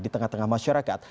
di tengah tengah masyarakat